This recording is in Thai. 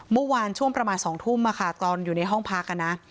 เมื่อวานช่วงประมาณ๒ทุ่มตอนอยู่ในห้องพักนะ